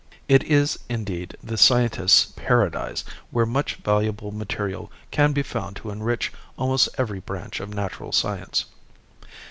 It is, indeed, the scientist's Paradise where much valuable material can be found to enrich almost every branch of natural science.